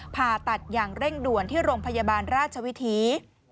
ผ่าตัดอย่างเร่งด่วนที่โรงพยาบาลราชวิถี